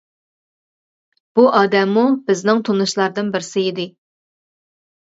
بۇ ئادەممۇ بىزنىڭ تونۇشلاردىن بىرسى ئىدى.